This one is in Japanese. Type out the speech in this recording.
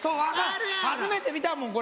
初めて見たもん。